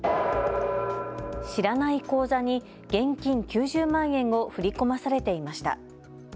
知らない口座に現金９０万円を振り込まされていました。